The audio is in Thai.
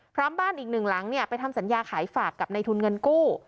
บ้านอีกหนึ่งหลังไปทำสัญญาขายฝากกับในทุนเงินกู้